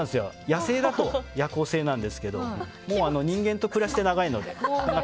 野生だと夜行性なんですけど人間と暮らして長いので。